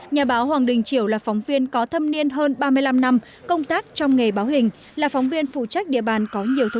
nhà báo hoàng đình triều là phóng viên có thâm niên hơn ba mươi năm năm công tác trong nghề báo hình là phóng viên phụ trách địa bàn có nhiều thủ